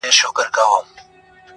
خانِ خانان خوشال خان خټک